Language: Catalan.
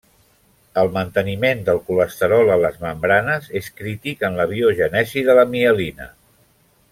El manteniment del colesterol a les membranes és crític en la biogènesi de la mielina.